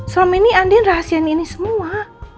selama ini anding rahasian ini semua